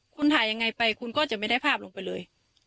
คุณถ่ายยังไงไปคุณก็จะไม่ได้ภาพลงไปเลย